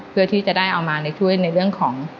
เพื่อที่จะได้เอามาช่วยในเรื่องของ